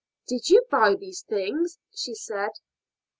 "Did you buy these things?" she said.